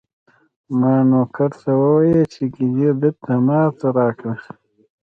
ما نوکر ته وویل چې کیلي دلته ما ته راکړه.